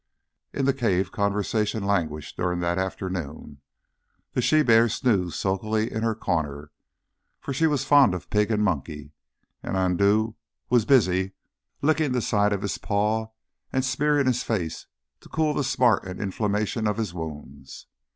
In the cave conversation languished during that afternoon. The she bear snoozed sulkily in her corner for she was fond of pig and monkey and Andoo was busy licking the side of his paw and smearing his face to cool the smart and inflammation of his wounds.